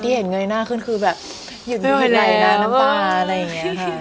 รีบโผล่เขาไปหาแมนด้าแบบเฉวง